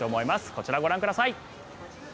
こちらご覧ください。